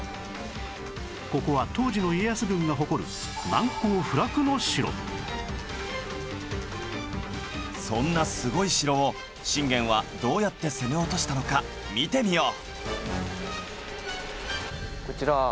ここは当時のそんなすごい城を信玄はどうやって攻め落としたのか見てみよう！